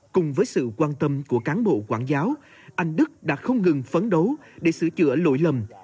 cùng với sự quan tâm của cán bộ quản giáo anh đức đã không ngừng phấn đấu để sửa chữa lỗi lầm